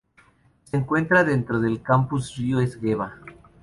Se encuentra dentro del Campus Río Esgueva.